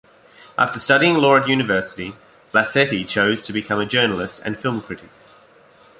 After studying law at university, Blasetti chose to become a journalist and film critic.